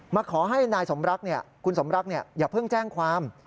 มาขอให้นายสมรักคุณสมรักอย่าเพิ่งแจ้งความ